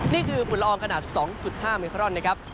นี่คือฝุ่นละอองขนาด๒๕มิเคราะห์นะครับ